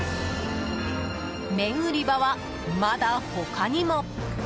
麺売り場は、まだ他にも。